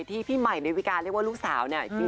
ที่พี่ใหม่ในวิการเรียกว่าลูกสาวเนี่ย